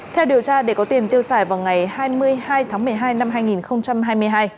theo điều tra để có tiền tiêu xài vào ngày hai mươi hai tháng một mươi hai năm hai nghìn hai mươi hai